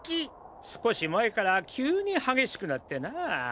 少し前から急に激しくなってな。